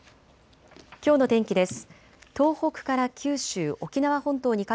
きょうの天気です。